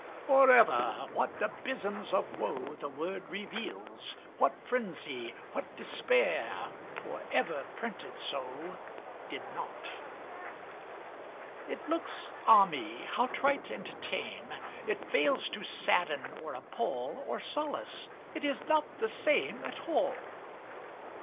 Forever! What abysms of woe The word reveals, what frenzy, what Despair! For ever (printed so) Did not. It looks, ah me! how trite and tame; It fails to sadden or appall Or solace it is not the same At all.